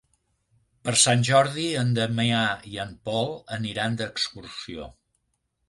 Per Sant Jordi en Damià i en Pol aniran d'excursió.